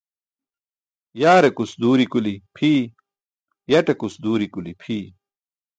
Yaarekus duuri kuli phiyu yatekus duuri kuli phiy